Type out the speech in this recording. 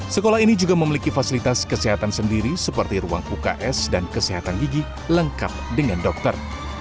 sekolah ini juga memiliki fasilitas kesehatan sendiri seperti ruang uks dan kesehatan gigi lengkap dengan dokter